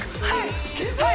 はい！